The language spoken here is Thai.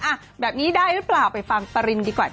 อ่ะแบบนี้ได้หรือเปล่าไปฟังปรินดีกว่าจ